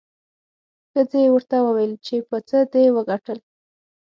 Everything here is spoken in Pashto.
ښځې یې ورته وویل چې په څه دې وګټل؟